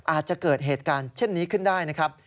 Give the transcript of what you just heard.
อาจจะเกิดเหตุการณ์เช่นนี้ขึ้นได้นะครับ